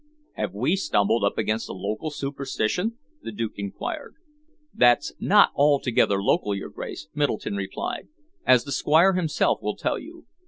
"Have we stumbled up against a local superstition?" the Duke enquired. "That's not altogether local, your Grace," Middleton replied, "as the Squire himself will tell you.